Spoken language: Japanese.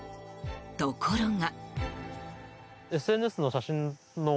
ところが。